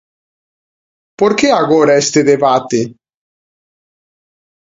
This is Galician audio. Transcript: ¿Por que agora este debate?